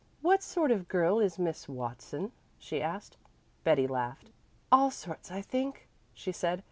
"What sort of girl is Miss Watson?" she asked. Betty laughed. "All sorts, I think," she said.